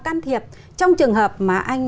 can thiệp trong trường hợp mà anh